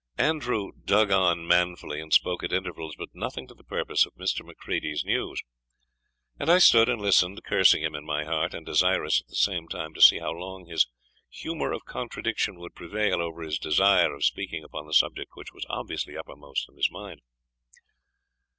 Andrew dug on manfully, and spoke at intervals, but nothing to the purpose of Mr. Macready's news; and I stood and listened, cursing him in my heart, and desirous at the same time to see how long his humour of contradiction would prevail over his desire of speaking upon the subject which was obviously uppermost in his mind.